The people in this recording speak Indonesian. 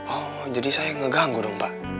oh jadi saya ngeganggu dong pak